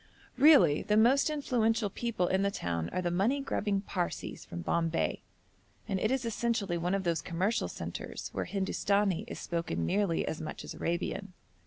Really the most influential people in the town are the money grubbing Parsees from Bombay, and it is essentially one of those commercial centres where Hindustani is spoken nearly as much as Arabian.